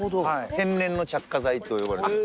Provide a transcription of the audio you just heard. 天然の着火剤と呼ばれてます。